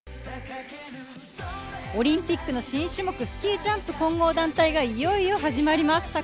オリンピックの新種目、スキージャンプ混合団体がいよいよ始まります。